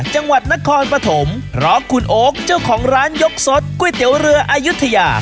จังหวัดนครปฐมเพราะคุณโอ๊คเจ้าของร้านยกสดก๋วยเตี๋ยวเรืออายุทยา